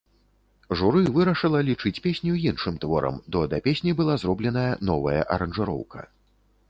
Журы вырашыла лічыць песню іншым творам, бо да песні была зробленая новая аранжыроўка.